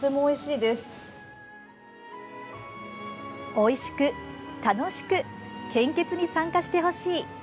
おいしく、楽しく献血に参加してほしい。